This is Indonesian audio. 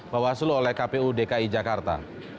bawaslu oleh kpu dki jakarta